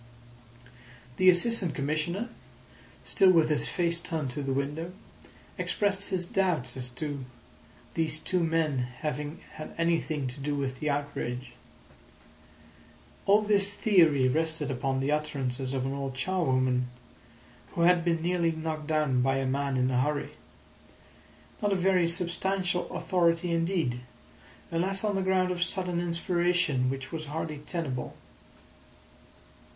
The Assistant Commissioner, still with his face turned to the window, expressed his doubt as to these two men having had anything to do with the outrage. All this theory rested upon the utterances of an old charwoman who had been nearly knocked down by a man in a hurry. Not a very substantial authority indeed, unless on the ground of sudden inspiration, which was hardly tenable.